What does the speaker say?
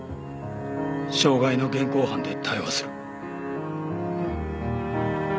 傷害の現行犯で逮捕する。